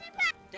terima kasih pak